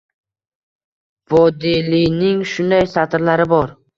– Vodiliyning shunday satrlari bor: